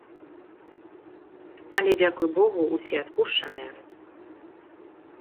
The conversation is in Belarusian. Але, дзякуй богу, усе адпушчаныя.